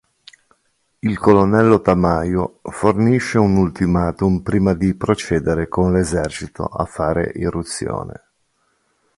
Il colonnello Tamayo fornisce un ultimatum prima di procedere con l'esercito a fare irruzione.